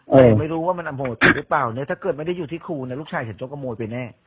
แต่ไม่รู้ว่ามันคำหนึ่งรึเปล่าเนี้ยถ้าเกิดไม่ได้อยู่ที่คู่น่าลูกชายจะจองขโมยไปแน่